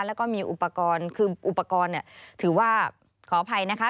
แล้วก็มีอุปกรณ์คืออุปกรณ์เนี่ยถือว่าขออภัยนะคะ